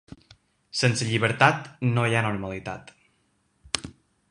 Sense llibertat, no hi ha normalitat!